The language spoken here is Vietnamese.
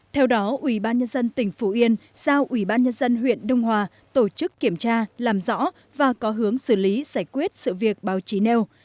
theo đó ubnd tỉnh phú yên giao ubnd huyện đông hòa tổ chức kiểm tra làm rõ và có hướng xử lý giải quyết sự việc báo chí nêu